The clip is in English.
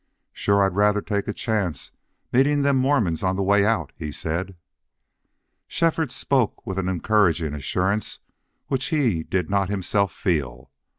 "Shore I'd rather taken a chance meetin' them Mormons on the way out," he said. Shefford spoke with an encouraging assurance which he did not himself feel.